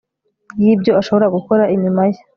yibyo ashobora gukora inyuma ye